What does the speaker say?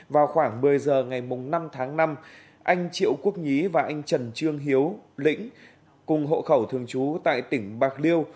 vào khoảng một mươi giờ ngày năm tháng năm anh triệu quốc nhí và anh trần trương hiếu lĩnh cùng hộ khẩu thường trú tại tỉnh bạc liêu